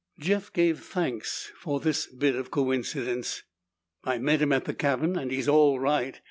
Jeff gave thanks for this bit of coincidence. "I met him at the cabin and he's all right.